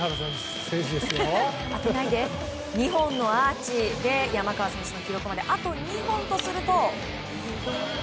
２本のアーチで山川選手の記録まであと２本とすると。